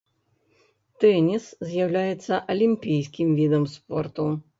Тэніс з'яўляецца алімпійскім відам спорту.